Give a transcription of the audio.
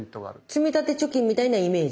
積立貯金みたいなイメージ。